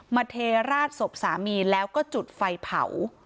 เทราดศพสามีแล้วก็จุดไฟเผา